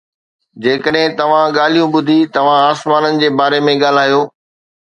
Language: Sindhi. جيڪڏهن توهان ڳالهيون ٻڌي، توهان آسمانن جي باري ۾ ڳالهايو.